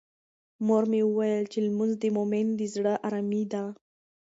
مور مې وویل چې لمونځ د مومن د زړه ارامي ده.